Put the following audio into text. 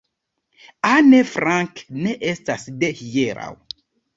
Anne Frank ne estas de hieraŭ.